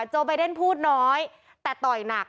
โอไบเดนพูดน้อยแต่ต่อยหนัก